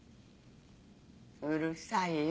うるさいよ。